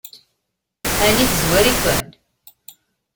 Ɛni tezwar-iken?